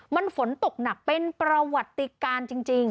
มันฝนตกหนักเป็นประวัติการจริง